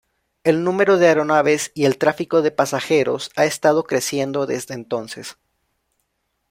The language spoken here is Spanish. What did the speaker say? El número de aeronaves y el tráfico de pasajeros ha estado creciendo desde entonces.